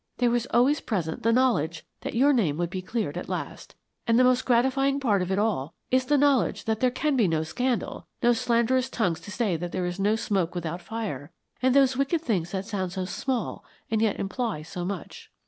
There was always present the knowledge that your name would be cleared at last, and the most gratifying part of it all is the knowledge that there can be no scandal, no slanderous tongues to say that there is no smoke without fire, and those wicked things that sound so small and yet imply so much."